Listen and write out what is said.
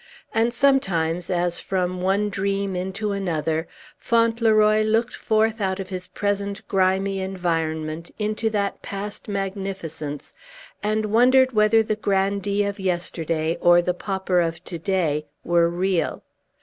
And sometimes, as from one dream into another, Fauntleroy looked forth out of his present grimy environment into that past magnificence, and wondered whether the grandee of yesterday or the pauper of to day were real.